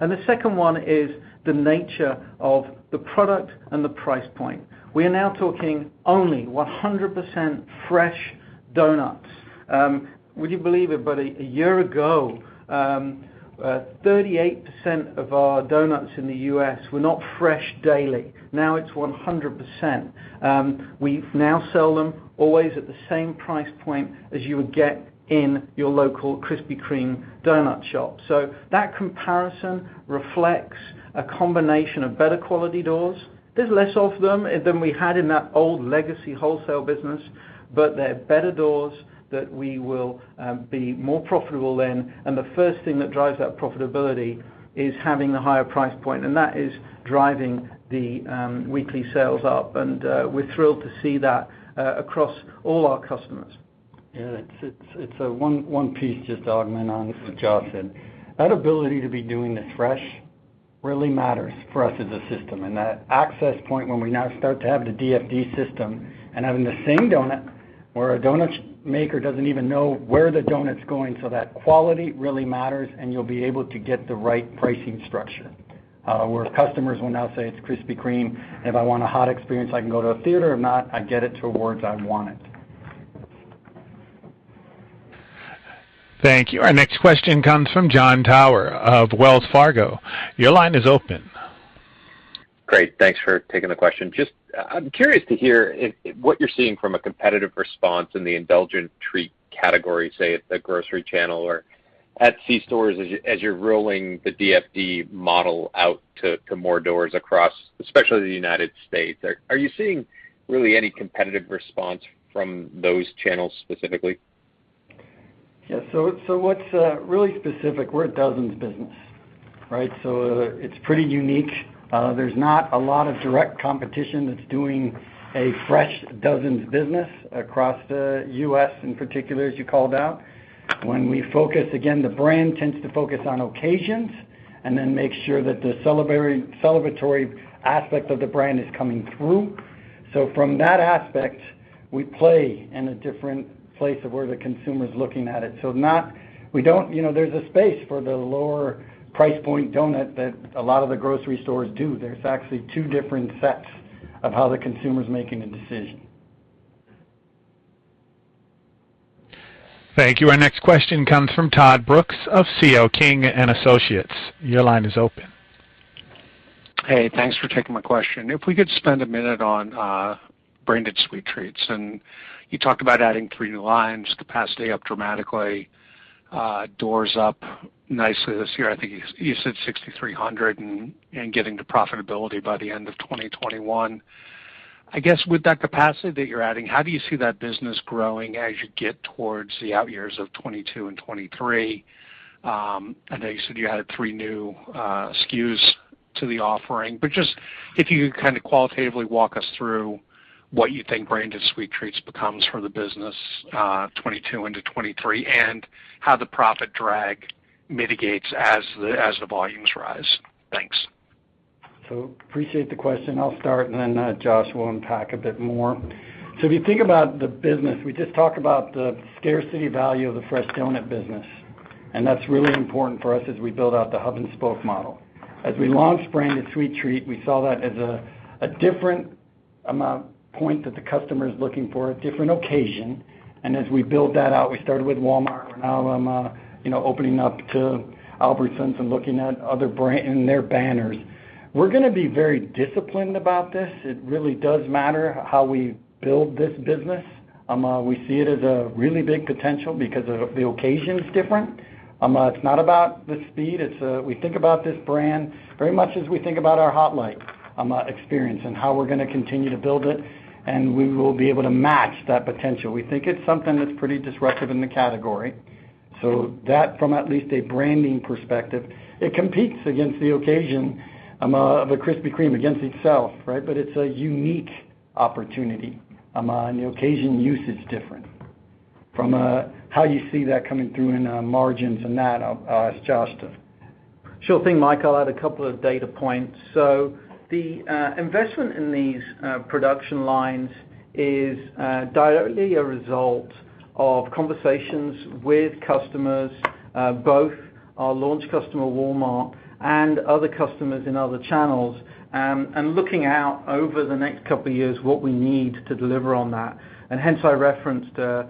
S4: The second one is the nature of the product and the price point. We are now talking only 100% fresh donuts. Would you believe it, a year ago, 38% of our donuts in the U.S. were not fresh daily. Now it's 100%. We now sell them always at the same price point as you would get in your local Krispy Kreme doughnut shop. That comparison reflects a combination of better-quality doors. There's less of them than we had in that old legacy wholesale business, but they're better doors that we will be more profitable in. The first thing that drives that profitability is having a higher price point, and that is driving the weekly sales up, and we're thrilled to see that across all our customers.
S3: Yeah, it's a one-piece just to augment on what Josh said. That ability to be doing the fresh really matters for us as a system, and that access point when we now start to have the DFD system and having the same donut where a donut maker doesn't even know where the donut's going, so that quality really matters, and you'll be able to get the right pricing structure. Where customers will now say, "It's Krispy Kreme, and if I want a hot experience, I can go to a theater. If not, I get it to where I want it.
S1: Thank you. Our next question comes from Jon Tower of Wells Fargo. Your line is open.
S11: Great. Thanks for taking the question. Just, I'm curious to hear what you're seeing from a competitive response in the indulgent treat category, say, at the grocery channel or at C stores as you're rolling the DFD model out to more doors across, especially the United States. Are you seeing really any competitive response from those channels specifically?
S3: Yeah. What's really specific, we're a dozen businesses, right? It's pretty unique. There's not a lot of direct competition that's doing a fresh dozen business across the U.S. in particular, as you called out. When we focus, again, the brand tends to focus on occasions and then makes sure that the celebratory aspect of the brand is coming through. From that aspect, we play in a different place of where the consumer is looking at it. There's a space for the lower price point donut that a lot of the grocery stores do. There's actually two different sets of how the consumer is making a decision.
S1: Thank you. Our next question comes from Todd Brooks of C.L. King & Associates. Your line is open.
S12: Hey, thanks for taking my question. If we could spend a minute on Branded Sweet Treats, and you talked about adding three new lines, capacity up dramatically, doors up nicely this year. I think you said 6,300 and getting to profitability by the end of 2021. I guess with that capacity that you're adding, how do you see that business growing as you get towards the out years of 2022 and 2023? I know you said you added 3 new SKUs to the offering, but just if you could kind of qualitatively walk us through what you think Branded Sweet Treats becomes for the business 2022 into 2023, and how the profit drag mitigates as the volumes rise? Thanks.
S3: Appreciate the question. I'll start, and then Josh will unpack a bit more. If you think about the business, we just talked about the scarcity value of the fresh doughnut business, and that's really important for us as we build out the hub and spoke model. As we launched Branded Sweet Treat, we saw that as a different point that the customer's looking for, a different occasion. As we build that out, we started with Walmart. We're now opening up to Albertsons and looking at other brands and their banners. We're going to be very disciplined about this. It really does matter how we build this business. We see it as a really big potential because the occasion is different. It's not about the speed. We think about this brand very much as we think about our hot light experience and how we're going to continue to build it. We will be able to match that potential. We think it's something that's pretty disruptive in the category. That, from at least a branding perspective, it competes against the occasion, the Krispy Kreme, against itself, right? It's a unique opportunity, and the occasion's use is different. From how you see that coming through in margins and that, I'll ask Josh to.
S4: Sure thing, Mike. I'll add a couple of data points. The investment in these production lines is directly a result of conversations with customers, both our launch customer, Walmart, and other customers in other channels, and looking out over the next couple of years, what we need to deliver on that. Hence, I referenced a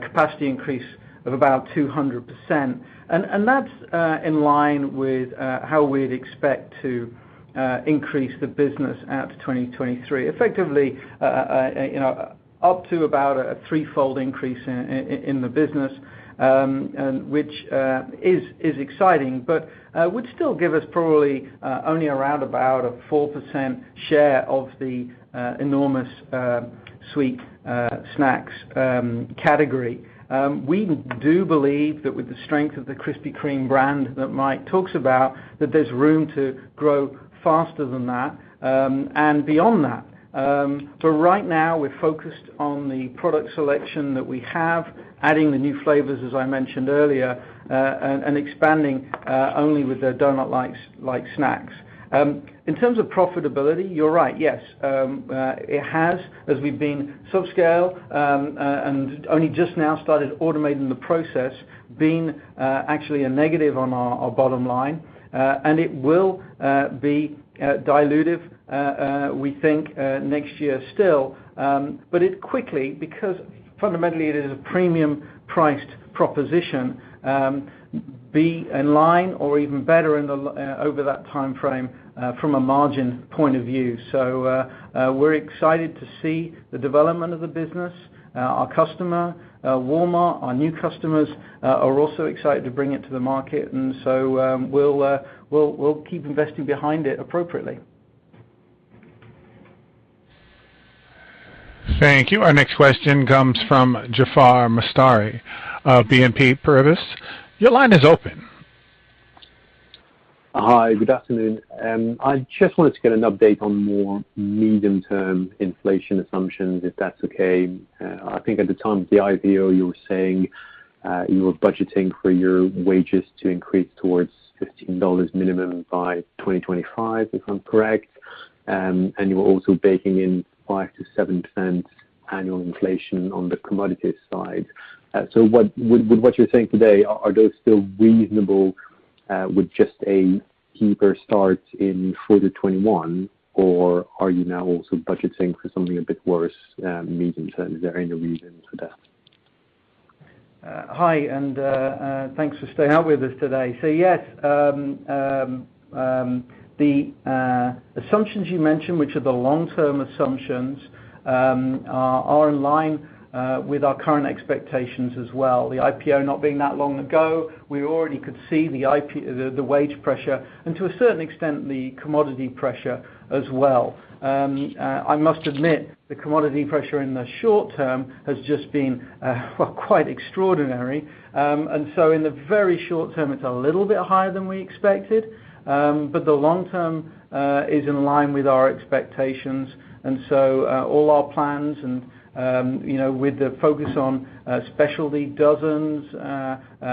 S4: capacity increase of about 200%. That's in line with how we'd expect to increase the business out to 2023. Effectively, up to about a threefold increase in the business, which is exciting, but would still give us probably only around about a 4% share of the enormous sweet snacks category. We do believe that with the strength of the Krispy Kreme brand that Mike talks about, there's room to grow faster than that, and beyond that. Right now, we're focused on the product selection that we have, adding the new flavors, as I mentioned earlier, and expanding only with the doughnut-like snacks. In terms of profitability, you're right. Yes. It has, as we've been subscale, and only just now started automating the process, been actually a negative on our bottom line. It will be dilutive, we think, next year still. It quickly, because fundamentally it is a premium-priced proposition, be in line or even better over that timeframe, from a margin point of view. We're excited to see the development of the business. Our customer, Walmart, our new customers are also excited to bring it to the market. We'll keep investing behind it appropriately.
S1: Thank you. Our next question comes from Jaafar Mestari of BNP Paribas. Your line is open.
S13: Hi. Good afternoon. I just wanted to get an update on more medium-term inflation assumptions, if that's okay. I think at the time of the IPO, you were saying you were budgeting for your wages to increase towards $15 minimum by 2025, if I'm correct, and you were also baking in 5%-7% annual inflation on the commodity side. With what you're saying today, are those still reasonable with just a deeper start in for the 2021? or are you now also budgeting for something a bit worse medium-term? Is there any reason for that?
S4: Hi, thanks for staying out with us today. Yes, the assumptions you mentioned, which are the long-term assumptions, are in line with our current expectations as well. The IPO not being that long ago, we already could see the wage pressure, and to a certain extent, the commodity pressure as well. I must admit, the commodity pressure in the short term has just been quite extraordinary. In the very short term, it's a little bit higher than we expected. The long term is in line with our expectations. All our plans and with the focus on specialty dozens,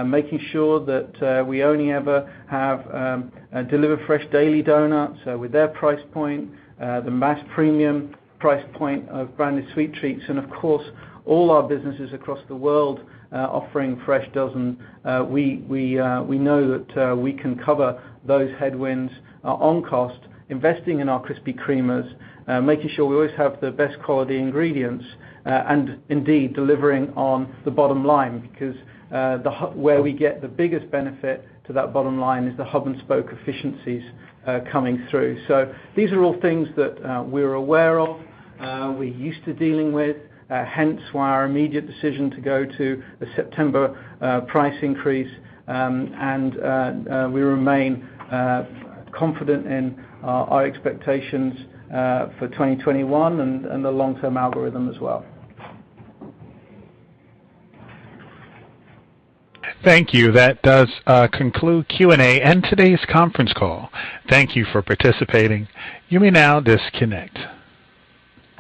S4: making sure that we only ever deliver fresh daily doughnuts with their price point, the mass premium price point of Branded Sweet Treats, and of course, all our businesses across the world offering fresh dozen. We know that we can cover those headwinds on cost, investing in our Krispy Kremers, making sure we always have the best quality ingredients, and indeed, delivering on the bottom line because where we get the biggest benefit to that bottom line is the hub and spoke efficiencies coming through. These are all things that we're aware of, we're used to dealing with, hence why our immediate decision to go to the September price increase. We remain confident in our expectations for 2021 and the long-term algorithm as well.
S1: Thank you. That does conclude Q&A and today's conference call. Thank you for participating. You may now disconnect.